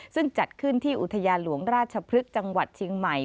ซึ่งจัดขึ้นที่อุทยานหลวงราชพฤกษ์จังหวัดเชียงใหม่